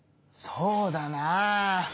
そうだな。